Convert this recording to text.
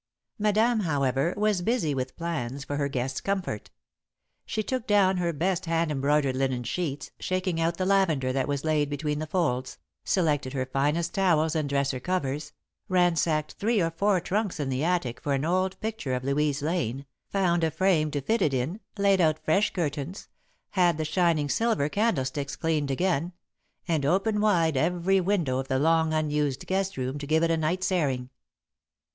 [Sidenote: Planning for the Guest] Madame, however, was busy with plans for her guest's comfort. She took down her best hand embroidered linen sheets, shaking out the lavender that was laid between the folds, selected her finest towels and dresser covers, ransacked three or four trunks in the attic for an old picture of Louise Lane, found a frame to fit it, laid out fresh curtains, had the shining silver candlesticks cleaned again, and opened wide every window of the long unused guest room to give it a night's airing.